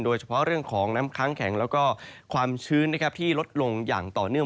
โดยเฉพาะเรื่องของน้ำค้างแข็งแล้วก็ความชื้นที่ลดลงอย่างต่อเนื่อง